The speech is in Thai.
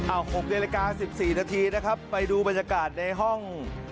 ๖นาฬิกา๑๔นาทีนะครับไปดูบรรยากาศในห้อง